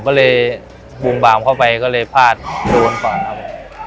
ก็เลยบูมบามเข้าไปก็เลยพาดโดนฝั่งครับผม